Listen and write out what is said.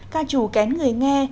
ca trù kén người nghe